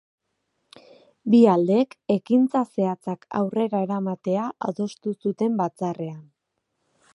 Bi aldeek ekintza zehatzak aurrera eramatea adostu zuten batzarrean.